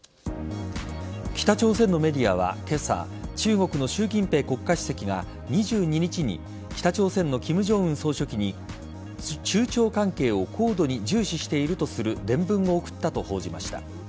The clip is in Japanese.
北朝鮮のメディアは今朝中国の習近平国家主席が２２日に北朝鮮の金正恩総書記に中朝関係を高度に重視しているとする電文を送ったと報じました。